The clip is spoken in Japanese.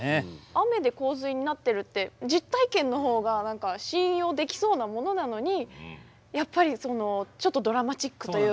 雨で洪水になってるって実体験のほうが何か信用できそうなものなのにやっぱりちょっとドラマチックというか